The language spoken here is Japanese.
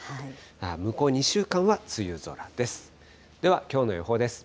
向こう２週間は梅雨空です。